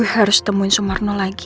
harus temuin sumarno lagi